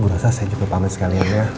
gue rasa saya juga pamit sekalian ya